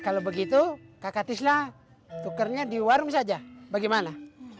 kalau begitu kakak tisna tukarnya di warung saja bagaimana